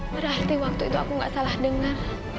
berarti waktu itu aku nggak salah dengar